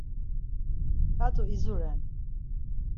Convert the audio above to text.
K̆at̆u izuren.